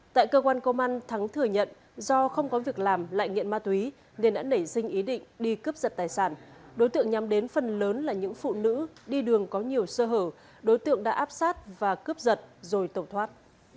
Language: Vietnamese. tại cơ quan công an thắng thừa nhận do không có việc làm lại nghiện ma túy nên đã nảy sinh ý định đi cướp giật tài sản đối tượng nhắm đến phần lớn là những phụ nữ đi đường có nhiều sơ hở đối tượng đã áp sát và cướp giật rồi tẩu thoát